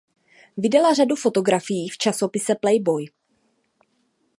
Vydala řadu fotografií v časopise Playboy.